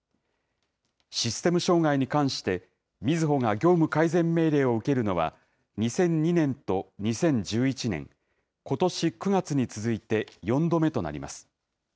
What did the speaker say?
システム障害に関して、みずほが業務改善命令を受けるのは、２００２年と２０１１年、ことし９月に続いて４度目となります。